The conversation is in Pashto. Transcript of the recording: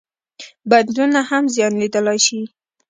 بندونه هم زیان لیدلای شي.